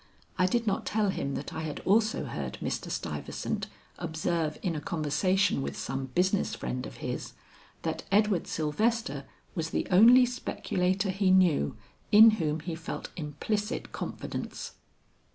I did not tell him that I had also heard Mr. Stuyvesant observe in a conversation with some business friend of his, that Edward Sylvester was the only speculator he knew in whom he felt implicit confidence.